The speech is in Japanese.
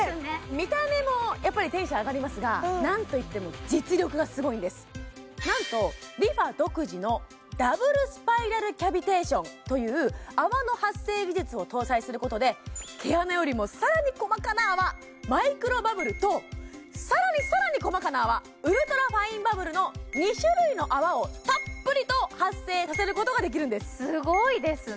見た目もやっぱりテンション上がりますが何といっても実力がすごいんです何とＲｅＦａ独自のダブルスパイラルキャビテーションという泡の発生技術を搭載することで毛穴よりもさらに細かな泡マイクロバブルとさらにさらに細かな泡ウルトラファインバブルの２種類の泡をたっぷりと発生させることができるんですすごいですね